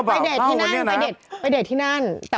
เดทที่นั่นไปเดทที่นั่น